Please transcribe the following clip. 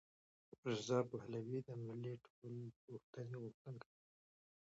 رضا پهلوي د ملي ټولپوښتنې غوښتونکی دی.